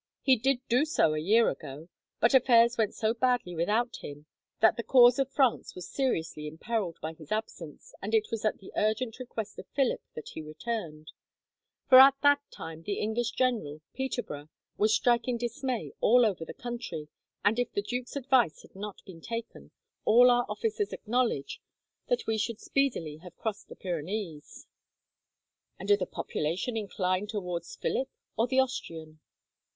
He did do so a year ago, but affairs went so badly, without him, that the cause of France was seriously imperilled by his absence, and it was at the urgent request of Philip that he returned; for at that time the English general, Peterborough, was striking dismay all over the country, and if the duke's advice had not been taken, all our officers acknowledge that we should speedily have crossed the Pyrenees." "And do the population incline towards Philip or the Austrian?"